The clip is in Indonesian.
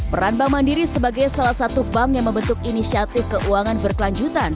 peran bank mandiri sebagai salah satu bank yang membentuk inisiatif keuangan berkelanjutan